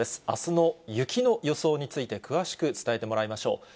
あすの雪の予想について、詳しく伝えてもらいましょう。